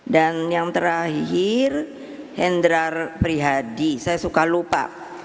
dan yang terakhir hendrar prihadi saya suka lupa